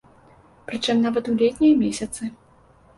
Прычым нават у летнія месяцы.